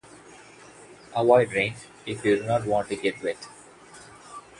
Avoid rain, if you do not want to get wet.